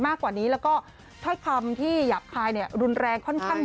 มากกว่านี้แล้วก็ถ้อยคำที่หยาบคายเนี่ยรุนแรงค่อนข้าง